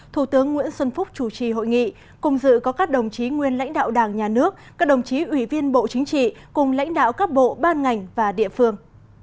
thủ tướng nguyễn xuân phúc chủ trì hội nghị cùng dự có các đồng chí nguyên lãnh đạo đảng nhà nước các đồng chí ủy viên bộ chính trị cùng lãnh đạo các bộ ban ngành và địa phương